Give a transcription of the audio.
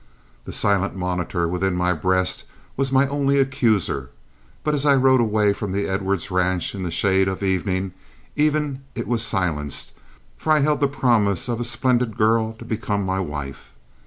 The silent monitor within my breast was my only accuser, but as I rode away from the Edwards ranch in the shade of evening, even it was silenced, for I held the promise of a splendid girl to become my wife.